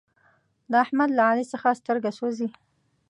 د احمد له علي څخه سترګه سوزي.